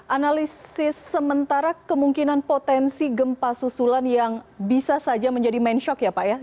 analisis sementara kemungkinan potensi gempa susulan yang bisa saja menjadi main shock ya pak ya